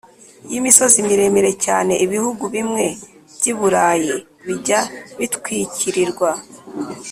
y’imisozi miremire cyane ibihugu bimwe by’i burayi bijya bitwikirirwa